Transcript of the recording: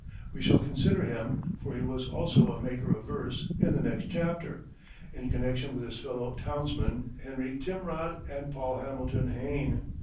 We shall consider him for he was also a maker of verse in the next chapter, in connection with his fellow townsmen, Henry Timrod and Paul Hamilton Hayne.